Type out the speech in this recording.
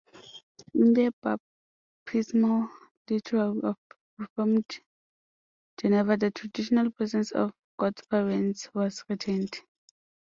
In the bapismal liturgy of Reformed Geneva, "the traditional presence of godparents was retained".